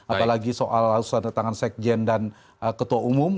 apalagi soal susah datang sekjen dan ketua umum